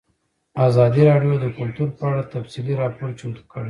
ازادي راډیو د کلتور په اړه تفصیلي راپور چمتو کړی.